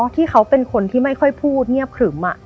ที่เขาเป็นคนที่ไม่ค่อยพูดเงียบขรึม